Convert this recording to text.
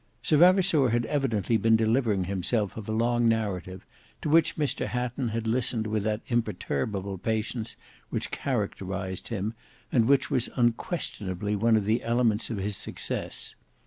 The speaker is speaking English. Sir Vavasour had evidently been delivering himself of a long narrative, to which Mr Hatton had listened with that imperturbable patience which characterised him, and which was unquestionably one of the elements of his success.